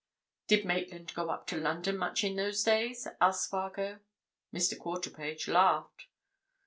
"Did Maitland go up to London much in those days?" asked Spargo. Mr. Quarterpage laughed.